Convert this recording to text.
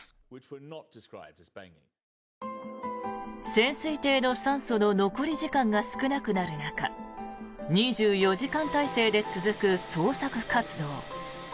潜水艇の酸素の残り時間が少なくなる中２４時間態勢で続く捜索活動。